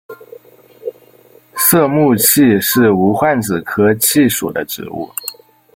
色木槭是无患子科槭属的植物。